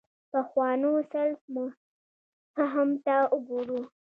پخوانو سلف فهم ته وګورو.